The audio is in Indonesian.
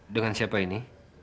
dengan siapa ini